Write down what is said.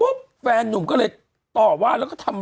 ลูกเกดทุกครั้งเวลาเขาเป็นมากเวลาเขาเมา